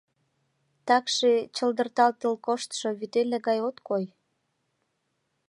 Такше чылдыртатыл коштшо вӱтеле гай от кой.